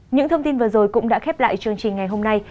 những thông tin vừa rồi cũng đã khép lại chương trình ngày hôm nay